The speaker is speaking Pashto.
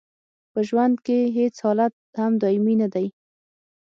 په ژوند کې هیڅ حالت هم دایمي نه دی.